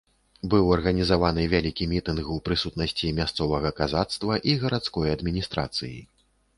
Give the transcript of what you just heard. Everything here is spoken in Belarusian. Быў арганізаваны вялікі мітынг, у прысутнасці мясцовага казацтва і гарадской адміністрацыі.